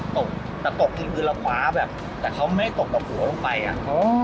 ตกแต่ตกจริงจริงคือเราขวาแบบแต่เขาไม่ตกต่อหัวลงไปอ่ะอ๋อ